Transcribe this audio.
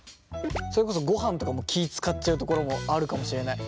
それこそごはんとかも気遣っちゃうところもあるかもしれない。